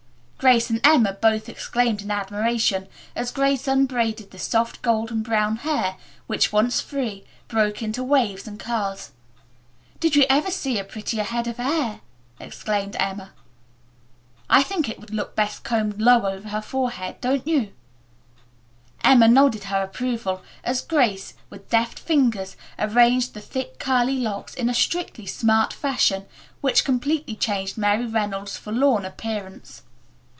Grace and Emma both exclaimed in admiration as Grace unbraided the soft golden brown hair, which, once free, broke into waves and curls. "Did you ever see a prettier head of hair?" exclaimed Emma. "I think it would look best combed low over her forehead, don't you?" asked Grace. Emma nodded her approval as Grace, with deft fingers, arranged the thick curly locks in a strictly smart fashion which completely changed Mary Reynolds' forlorn appearance.